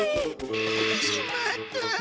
しまった。